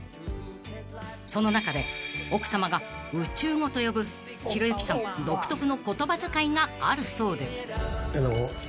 ［その中で奥さまが宇宙語と呼ぶひろゆきさん独特の言葉遣いがあるそうで］